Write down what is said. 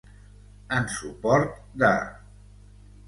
En suport de.